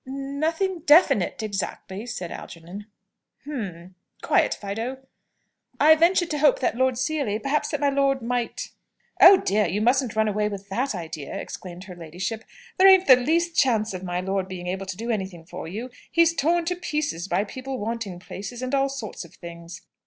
"N nothing definite, exactly," said Algernon. "H'm! Quiet, Fido!" "I ventured to hope that Lord Seely that perhaps my lord might " "Oh, dear, you mustn't run away with that idea!" exclaimed her ladyship. "There ain't the least chance of my lord being able to do anything for you. He's torn to pieces by people wanting places, and all sorts of things."